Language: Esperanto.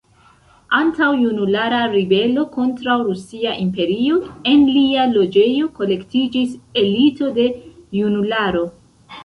Antaŭ Januara Ribelo kontraŭ Rusia Imperio en lia loĝejo kolektiĝis elito de junularo.